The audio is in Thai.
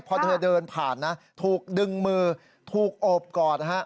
พอเธอเดินผ่านนะถูกดึงมือถูกโอบกอดนะฮะ